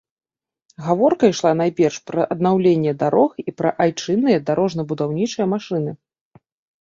Гаворка ішла найперш пра аднаўленне дарог і пра айчынныя дарожна-будаўнічыя машыны.